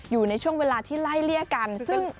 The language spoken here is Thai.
อยู่ในช่วงเวลาที่ไล่เลี่ยกันซึ่ง